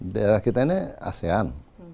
daerah kita ini asean